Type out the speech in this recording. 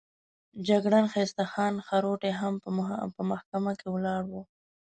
جګړن ښایسته خان خروټی هم په محکمه کې ولاړ وو.